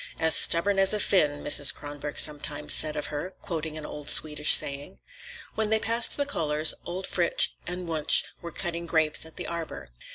"As stubborn as a Finn," Mrs. Kronborg sometimes said of her, quoting an old Swedish saying. When they passed the Kohlers', old Fritz and Wunsch were cutting grapes at the arbor.